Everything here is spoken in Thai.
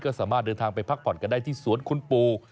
ก็สามารถเดินทางไปพักผ่อนกันได้ที่สวนคุณปู่